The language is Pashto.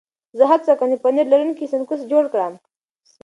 زه هڅه کوم د پنیر لرونکي سنکس جوړ کړم.